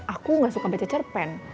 aku gak suka baca cerpen